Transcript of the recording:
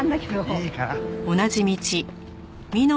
いいから。